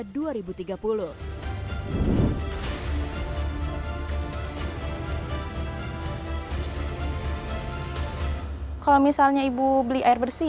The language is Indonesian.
kalau misalnya ibu beli air bersih